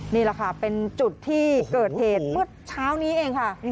นี่แหละค่ะเป็นจุดที่เกิดเหตุเมื่อเช้านี้เองค่ะ